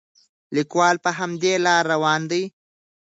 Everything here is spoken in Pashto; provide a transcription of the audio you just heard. لیکوال په همدې لاره روان دی.